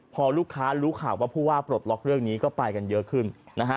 พอลูกค้ารู้ข่าวว่าผู้ว่าปลดล็อกเรื่องนี้ก็ไปกันเยอะขึ้นนะฮะ